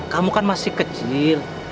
kamu kan masih kecil